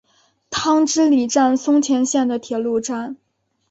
汤之里站松前线的铁路站。